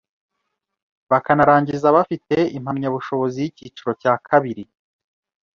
bakanarangiza bafite impamyabushobozi y’icyiciro cya kabiri